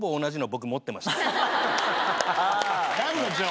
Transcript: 何の情報？